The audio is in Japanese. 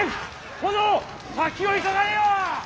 殿先を急がれよ！